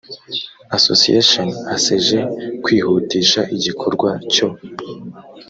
association acej kwihutisha igikorwa cyo